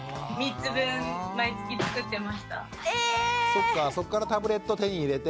⁉そっかそっからタブレット手に入れて。